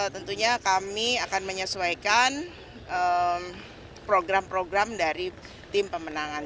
tentunya kami akan menyesuaikan program program dari tim pemenangan